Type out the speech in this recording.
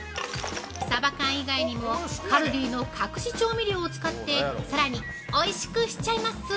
サバ缶以外にもカルディの隠し調味料を使ってさらにおいしくしちゃいます。